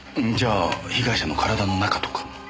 んじゃあ被害者の体の中とか？